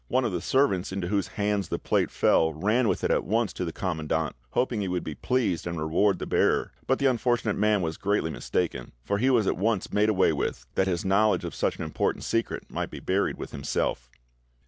One of the servants into whose hands the plate fell ran with it at once to the commandant, hoping he would be pleased and reward the bearer; but the unfortunate man was greatly mistaken, for he was at once made away with, that his knowledge of such an important secret might be buried with himself.